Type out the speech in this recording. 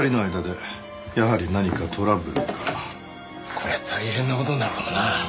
こりゃ大変な事になるかもな。